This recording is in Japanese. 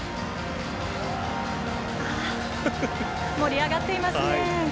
盛り上がっていますね。